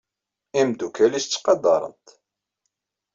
Imeddukal-nnes ttqadaren-t.